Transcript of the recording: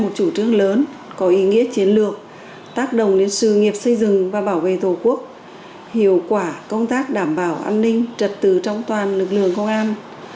một chủ trương lớn có ý nghĩa chiến lược tác động đến sự nghiệp xây dựng và bảo vệ tổ quốc hiệu quả công tác đảm bảo an ninh trật tự trong toàn lực lượng công an